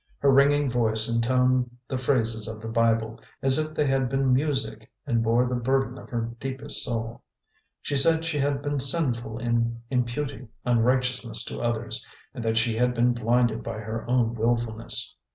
Her ringing voice intoned the phrases of the Bible as if they had been music and bore the burden of her deepest soul. She said she had been sinful in imputing unrighteousness to others, and that she had been blinded by her own wilfulness.